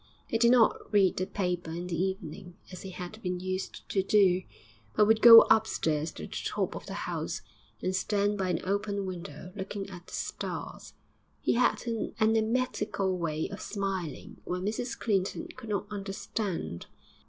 He did not read the paper in the evening as he had been used to do, but would go upstairs to the top of the house, and stand by an open window looking at the stars. He had an enigmatical way of smiling which Mrs Clinton could not understand.